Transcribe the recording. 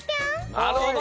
なるほど！